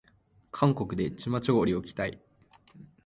韓国でチマチョゴリを着たい